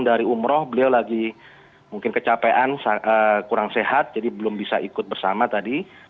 dari umroh beliau lagi mungkin kecapean kurang sehat jadi belum bisa ikut bersama tadi